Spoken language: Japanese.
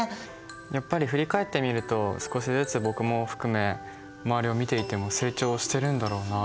やっぱり振り返ってみると少しずつ僕も含め周りを見ていても成長しているんだろうなって。